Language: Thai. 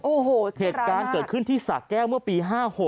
โอ้โหเหตุการณ์เกิดขึ้นที่สะแก้วเมื่อปี๕๖